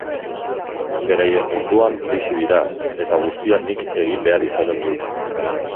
Beraien munduan bizi dira, eta guztia nik egin behar izaten dut.